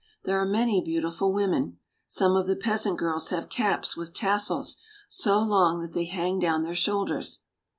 There are many beautiful women. Some of the peasant girls have caps with tas sels so long that they hang down their shoulders.